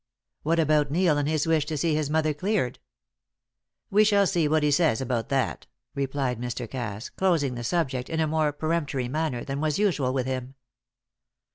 "What about Neil and his wish to see his mother cleared?" "We shall see what he says about that," replied Mr. Cass, closing the subject in a more peremptory manner than was usual with him.